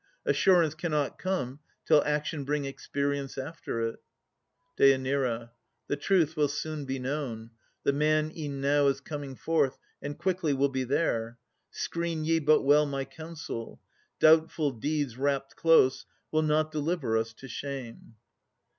Assurance cannot come Till action bring experience after it. DÊ. The truth will soon be known. The man e'en now Is coming forth, and quickly will be there. Screen ye but well my counsel. Doubtful deeds, Wrapt close, will not deliver us to shame.